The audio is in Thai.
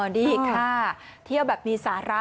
ดีค่ะเที่ยวแบบมีสาระ